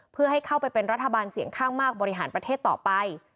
เพื่อให้เข้าไปเป็นรัฐบาลเสียงข้างมากบริหารประเทศต่อไป